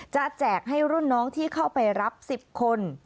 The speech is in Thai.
แจกให้รุ่นน้องที่เข้าไปรับ๑๐คน